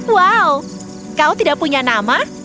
wow kau tidak punya nama